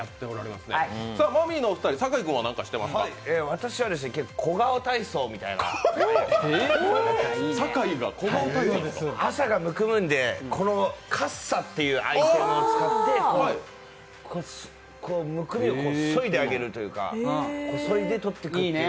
私は結構、小顔体操みたいな朝がむくむんで、このカッサというアイテムを使ってむくみをそいであげるというかこそいでとっていくっていう。